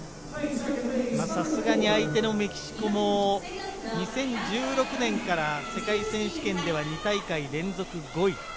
さすがに相手のメキシコも２０１６年から世界選手権では２大会連続５位。